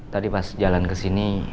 tadi pas jalan ke sini